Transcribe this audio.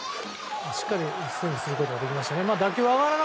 しっかりスイングすることができましたね。